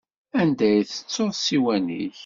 Anda i tettuḍ ssiwan-ik?